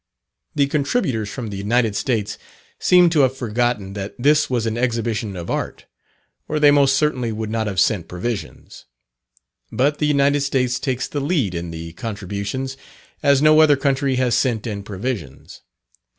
The contributors from the United States seemed to have forgotten that this was an exhibition of Art, or they most certainly would not have sent provisions. But the United States takes the lead in the contributions, as no other country has sent in provisions.